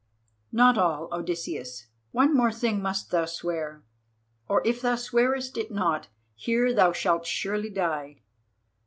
"Not all, Odysseus. One more thing must thou swear, or if thou swearest it not, here thou shalt surely die.